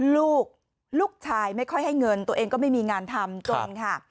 ลูกลูกชายไม่ค่อยให้เงินตัวเองก็ไม่มีงานทำจนค่ะ